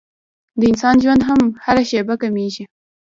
د انسان ژوند هم هره شېبه کمېږي.